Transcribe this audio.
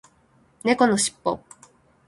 猫のしっぽ